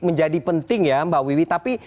menjadi penting ya mbak wiwi tapi